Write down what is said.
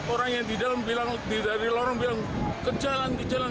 orang yang di dalam bilang dari lorong bilang ke jalan ke jalan